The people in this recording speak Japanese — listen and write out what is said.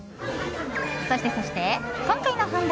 そしてそして、今回の本題。